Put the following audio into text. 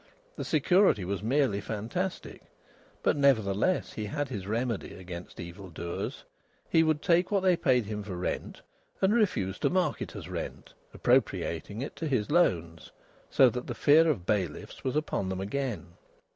The security was merely fantastic, but nevertheless he had his remedy against evil doers. He would take what they paid him for rent and refuse to mark it as rent, appropriating it to his loans, so that the fear of bailiffs was upon them again.